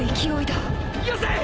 よせ！